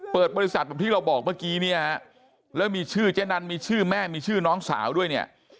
เปิดบริษัทแบบที่เราบอกเมื่อกี้เนี่ยฮะแล้วมีชื่อเจ๊นันมีชื่อแม่มีชื่อน้องสาวด้วยเนี่ย